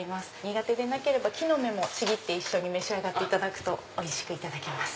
苦手でなければ木の芽もちぎって一緒に召し上がるとおいしくいただけます。